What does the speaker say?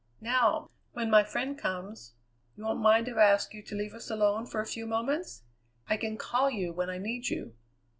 Now, when my friend comes, you won't mind if I ask you to leave us alone for a few moments? I can call you when I need you."